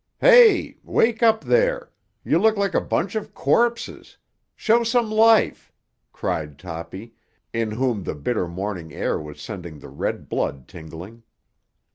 "Hey! Wake up there! You look like a bunch of corpses. Show some life!" cried Toppy, in whom the bitter morning air was sending the red blood tingling.